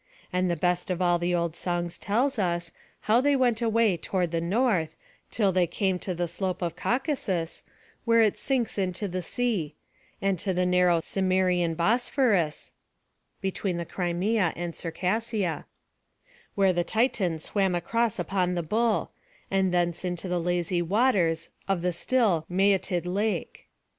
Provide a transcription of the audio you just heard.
And the best of all the old songs tells us, how they went away toward the north, till they came to the slope of Caucasus, where it sinks into the sea; and to the narrow Cimmerian Bosphorus,[A] where the Titan swam across upon the bull; and thence into the lazy waters of the still Mæotid Lake.